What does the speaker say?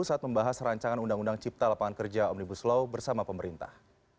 saat membahas rancangan undang undang cipta lapangan kerja omnibus law bersama pemerintah